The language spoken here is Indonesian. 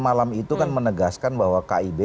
malam itu kan menegaskan bahwa kib